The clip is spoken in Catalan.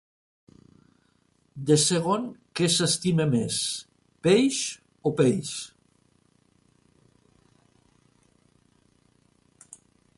De segon què s'estima més, peix o peix?